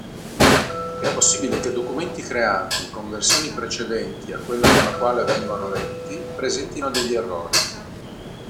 È possibile che documenti creati con versioni precedenti a quella con la quale vengono letti presentino degli errori.